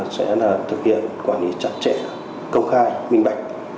sẽ thực hiện quản lý chặt chẽ công khai minh bạch